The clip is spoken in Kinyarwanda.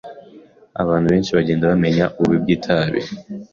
Abantu benshi bagenda bamenya ububi bwitabi.